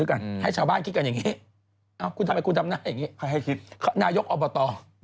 กันอย่างนี้เอ้าคุณทำไมคุณทำหน้าอย่างนี้ใครให้คิดค่ะนายกอบต